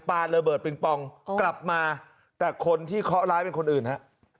ระเบิดปิงปองกลับมาแต่คนที่เคาะร้ายเป็นคนอื่นฮะ